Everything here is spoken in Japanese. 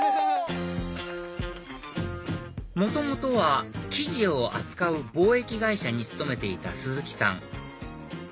元々は生地を扱う貿易会社に勤めていた鈴木さん